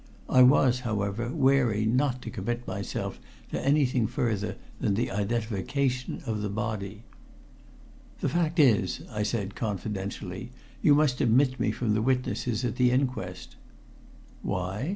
I was, however, wary not to commit myself to anything further than the identification of the body. "The fact is," I said confidentially, "you must omit me from the witnesses at the inquest." "Why?"